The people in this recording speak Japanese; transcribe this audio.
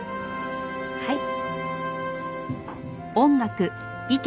はい。